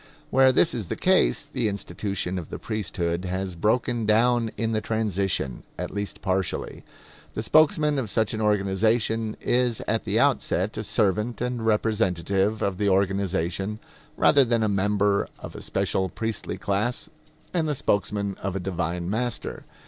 Where this is the case the institution of the priesthood has broken down in the transition, at least partially. The spokesman of such an organization is at the outset a servant and representative of the organization, rather than a member of a special priestly class and the spokesman of a divine master.